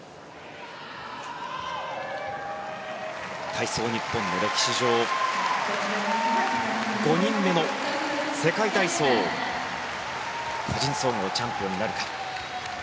体操日本の歴史上５人目の世界体操個人総合チャンピオンになるか。